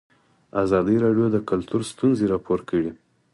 ازادي راډیو د کلتور ستونزې راپور کړي.